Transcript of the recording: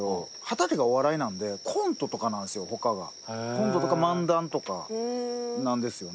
コントとか漫談とかなんですよね。